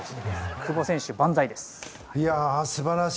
久保選手、万歳です。